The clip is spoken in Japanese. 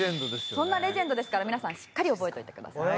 そんなレジェンドですから皆さんしっかり覚えておいてくださいね。